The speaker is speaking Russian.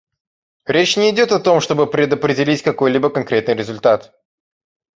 Речь не идет о том, чтобы предопределить какой-либо конкретный результат.